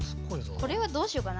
これはどうしようかな。